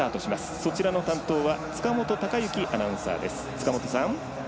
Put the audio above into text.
そちらの担当は塚本貴之アナウンサーです。